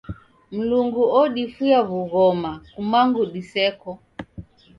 Mlungu odifuya w'ughoma kumangu diseko.